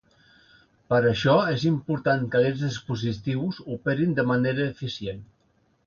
Per això, és important que aquests dispositius operin de manera eficient.